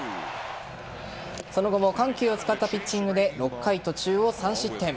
その後も緩急を使ったピッチングで６回途中を３失点。